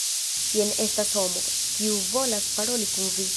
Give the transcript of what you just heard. Jen estas homo, kiu volas paroli kun vi.